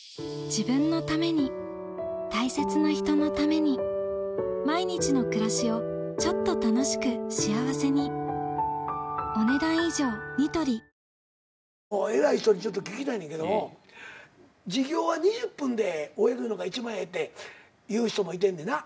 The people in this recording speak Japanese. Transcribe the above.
自分のために大切な人のために毎日の暮らしをちょっと楽しく幸せに偉い人に聞きたいねんけど授業は２０分で終えるのが一番ええって言う人もいてんねんな。